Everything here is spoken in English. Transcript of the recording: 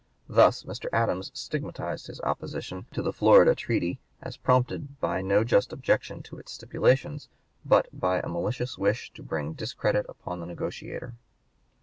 Thus Mr. Adams stigmatized his opposition to the Florida treaty as prompted by no just objection to its stipulations, but by a malicious wish to bring discredit upon the negotiator.